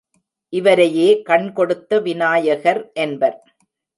இவரையே கண் கொடுத்த விநாயகர் என்பர்.